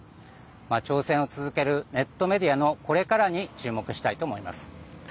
挑戦を続けるネットメディアのこれからに注目したいと思います。